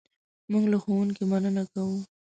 موږ له ښوونکي مننه کوو.